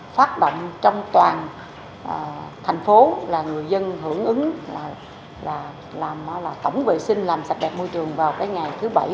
phát động trong toàn thành phố là người dân hưởng ứng là tổng vệ sinh làm sạch đẹp môi trường vào cái ngày thứ bảy